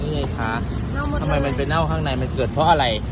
นี่ไงค้าเน่ต่อไมมันเป็นน่าวข้างในน่อยมันเกิดเพราะอะไร